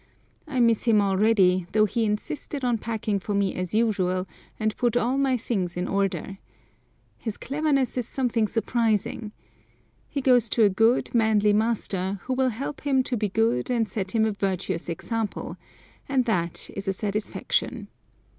I miss him already, though he insisted on packing for me as usual, and put all my things in order. His cleverness is something surprising. He goes to a good, manly master, who will help him to be good and set him a virtuous example, and that is a satisfaction.